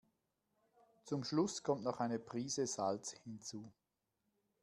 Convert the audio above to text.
Zum Schluss kommt noch eine Prise Salz hinzu.